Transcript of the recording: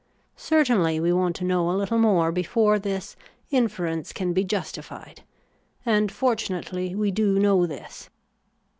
Certainly, we want to know a little more before this inference can be justified ; and fortunately we do know this.